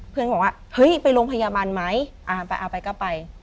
เพื่อนก็บอกว่าเฮ้ยไปโรงพยาบาลไหมไปเอาไปก็ไป